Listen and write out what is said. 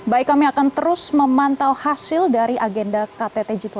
baik kami akan terus memantau hasil dari agenda ktt g dua puluh